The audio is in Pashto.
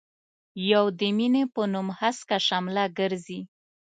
يو د مينې په نوم هسکه شمله ګرزي.